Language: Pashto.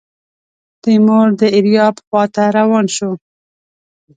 تیمور د ایریاب خواته روان شو.